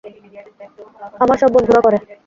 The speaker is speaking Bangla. আমার সব বন্ধুরা করে।